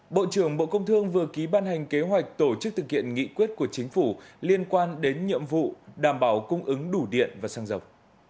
bộ trưởng bộ công thương vừa ký ban hành kế hoạch tổ chức thực hiện nghị quyết của chính phủ liên quan đến nhiệm vụ đảm bảo cung ứng đủ điện và xăng dầu